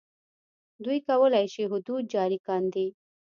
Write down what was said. دوی کولای شي حدود جاري کاندي.